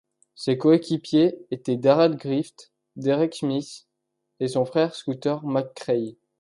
Ses coéquipiers étaient Darrell Griffith, Derek Smith et son frère Scooter McCray.